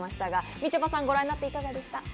みちょぱさん、ご覧になって、いかがですか？